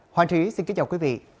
hoàng trí xin kính chào quý vị